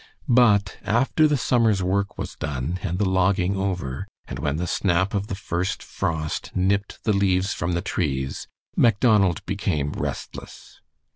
But after the summer's work was done, and the logging over, and when the snap of the first frost nipped the leaves from the trees, Macdonald became restless.